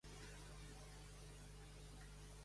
Una pica d'una tinguda de cent quartans.